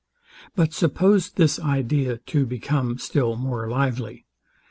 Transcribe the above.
But suppose this idea to become still more lively.